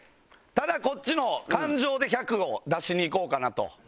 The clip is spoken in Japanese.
ただこっちの感情で１００を出しにいこうかなと。